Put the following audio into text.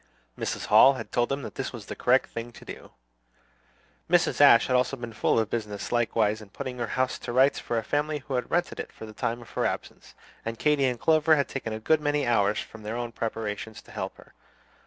Mrs. Hall had told them that this was the correct thing to do. Mrs. Ashe had been full of business likewise in putting her house to rights for a family who had rented it for the time of her absence, and Katy and Clover had taken a good many hours from their own preparations to help her.